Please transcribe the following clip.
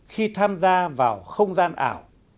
khi tham gia vào không gian ảo